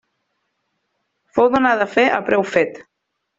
Fou donada a fer a preu fet.